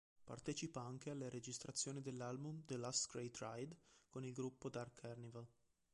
Partecipa anche alle registrazioni dell'album "The Last Great Ride" con il gruppo Dark Carnival.